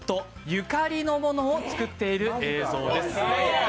ゆかりのものを作っている映像です。